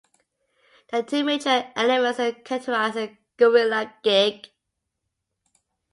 There are two major elements that characterise a guerrilla gig.